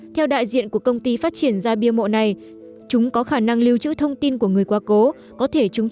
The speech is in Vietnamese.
theo đại diện của công ty phát triển ra bia mộ này chúng có khả năng lưu trữ thông tin của người quá cố